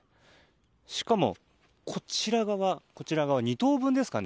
しかも、こちら側、こちら側２頭分ですかね。